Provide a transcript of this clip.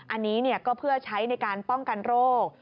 อันนี้ก็เพื่อใช้ในการป้องกันโรค